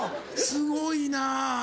すごいな。